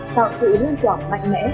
tạo sự liên toàn mạnh mẽ